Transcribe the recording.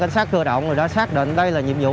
cảnh sát cơ động đã xác định đây là nhiệm vụ